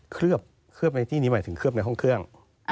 เคลือบในที่นี้หมายถึงเคลือบในห้องเครื่อง